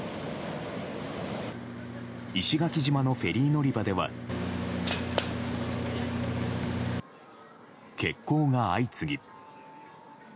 石垣島のフェリー乗り場では欠航が相次ぎ。